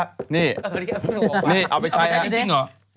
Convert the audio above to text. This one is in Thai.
เออพึ่งข้างนอกมาเอาไปใช้จริงหรอ